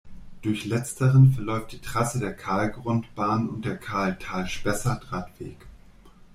Durch letzteren verläuft die Trasse der Kahlgrundbahn und der Kahltal-Spessart-Radweg.